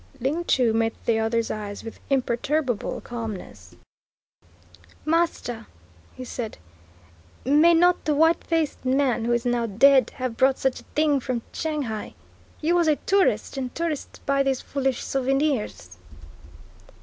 Ling Chu met the other's eyes with imperturbable calmness. "Master," he said, "may not the white faced man who is now dead have brought such a thing from Shanghai? He was a tourist, and tourists buy these foolish souvenirs."